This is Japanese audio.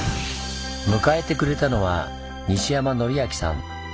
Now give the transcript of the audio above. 迎えてくれたのは西山徳明さん。